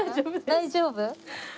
大丈夫？